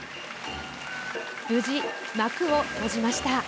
無事、幕を閉じました。